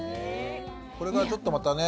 これがちょっとまたね